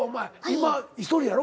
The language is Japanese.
今１人やろ？